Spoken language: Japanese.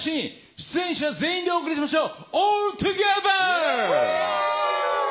出演者全員でお送りしましょう。